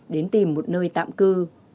đến tìm một nơi tạm cư